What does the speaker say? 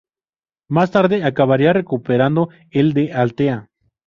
Más tarde acabaría recuperando el de Altea.